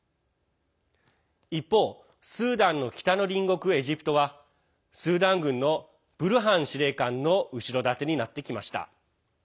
一方、スーダンの北の隣国エジプトはスーダン軍のブルハン司令官の後ろ盾になってきました。